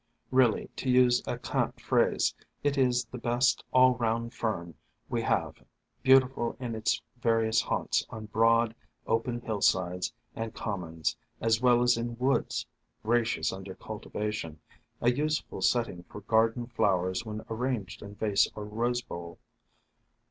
Really, to use a cant phrase, it is the best all around Fern we have — beau tiful in its various haunts on broad, open hillsides and commons as well as in woods, gracious under cultivation, a useful setting for garden flowers when arranged in vase or rose bowl.